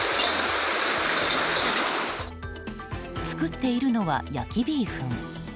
作っているのは焼きビーフン。